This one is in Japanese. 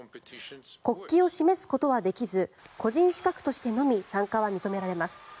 国旗を示すことはできず個人資格としてのみ参加は認められます。